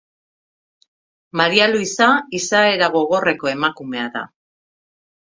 Maria Luisa izaera gogorreko emakumea da.